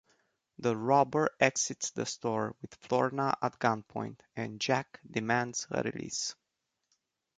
The robber exits the store with Florna at gunpoint and Jack demands her release.